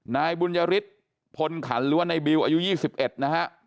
นายบุญริษฐ์พลขันล้วนในบิวอายุ๒๑นะฮะ